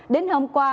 đến hôm qua